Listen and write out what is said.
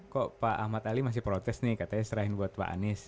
kok pak ahmad ali masih protes nih katanya serahin buat pak anies